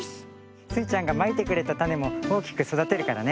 スイちゃんがまいてくれたたねもおおきくそだてるからね。